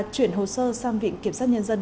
chuyển hồ sơ sang viện kiểm soát nhân dân